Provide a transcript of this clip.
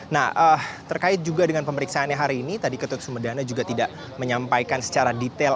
nah terkait juga dengan pemeriksaannya hari ini tadi ketut sumedana juga tidak menyampaikan secara detail